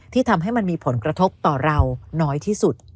ทำให้มันมีผลกระทบต่อเราน้อยที่สุด